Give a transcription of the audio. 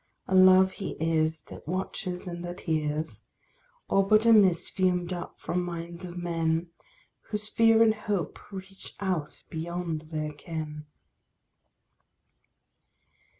A love he is that watches and that hears, Or but a mist fumed up from minds of men, Whose fear and hope reach out beyond their ken.